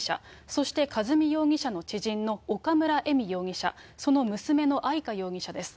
そして和美容疑者の知人の岡村恵美容疑者、その娘の愛香容疑者です。